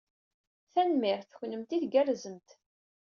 Tanemmirt, kennemti tgerrzemt!